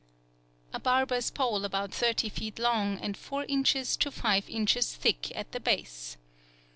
A barber's pole about thirty feet long and 4 in. to 5 in. thick at the base.